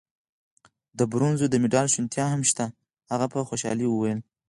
د برونزو د مډال شونتیا هم شته. هغه په خوشحالۍ وویل.